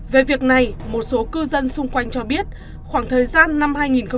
về việc này một số cư dân xung quanh cho biết khoảng thời gian năm hai nghìn một mươi